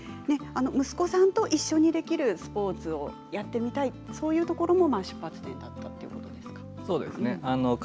息子さんと一緒にできるスポーツをやってみたいそういうところも出発点だったということですか？